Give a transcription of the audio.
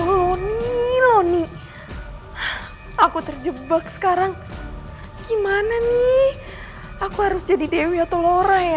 loni loni aku terjebak sekarang gimana nih aku harus jadi dewi atau laura ya